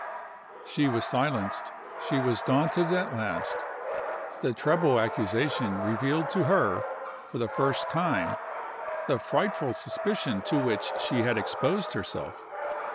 She was silenced, she was daunted at last. The treble accusation revealed to her, for the first time, the frightful suspicion to which she had exposed herself.